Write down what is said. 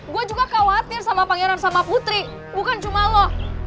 gue juga khawatir sama pangeran sama putri bukan cuma lo